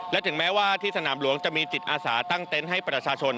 และถึงแม้ว่าที่สนามหลวงจะมีจิตอาสาตั้งเต็นต์ให้ประชาชน